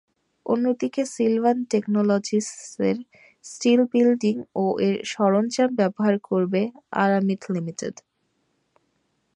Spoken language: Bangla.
অন্যদিকে সিলভান টেকনোলজিসের স্টিল বিল্ডিং ও এর সরঞ্জাম ব্যবহার করবে আরামিট লিমিটেড।